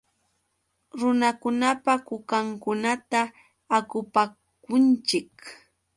Runakunapa kukankunata akupakunchik.